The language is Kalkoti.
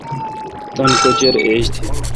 تان کوچر ایج تھ۔